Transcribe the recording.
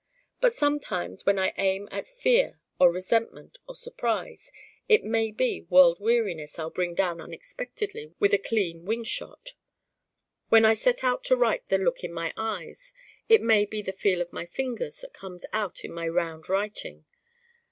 But sometime when I aim at Fear or Resentment or Surprise it may be World Weariness I'll bring down unexpectedly with a clean wing shot. When I set out to write the Look in my Eyes it may be the Feel of my Fingers that comes out in my round writing.